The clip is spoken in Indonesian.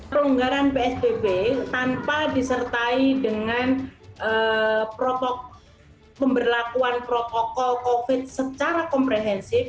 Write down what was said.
perlonggaran psbb tanpa disertai dengan pemberlakuan protokol covid sembilan belas secara komprehensif